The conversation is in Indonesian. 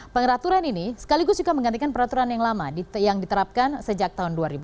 pengeraturan ini sekaligus juga menggantikan peraturan yang lama yang diterapkan sejak tahun dua ribu dua